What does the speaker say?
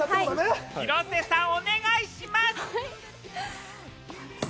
広瀬さん、お願いします！